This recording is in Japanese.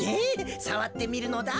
さわってみるのだ。